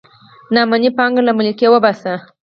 نا امني پانګه له ملکه وباسي.